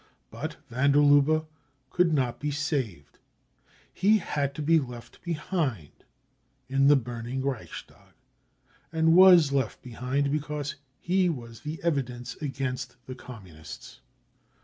But van der Lubhe could not be "saved" He had to be left behind in the burning Reichstag, and was left behind, because he was the evidence against the Communists